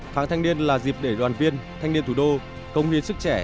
tháng thanh niên là dịp để đoàn viên thanh niên thủ đô công nghiên sức trẻ